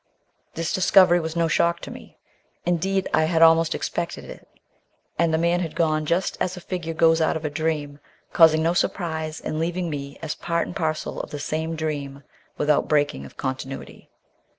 This discovery was no shock to me; indeed, I had almost expected it, and the man had gone just as a figure goes out of a dream, causing no surprise and leaving me as part and parcel of the same dream without breaking of continuity.